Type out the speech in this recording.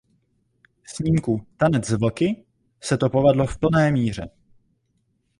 Snímku „Tanec s vlky“ se to povedlo v plné míře.